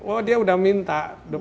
oh dia udah minta dua puluh lima